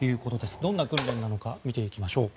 どんな訓練なのか見ていきましょう。